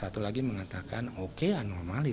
satu lagi mengatakan oke anomali